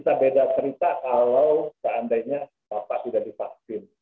tetapi tentu nggak semua orang sama dengan bapak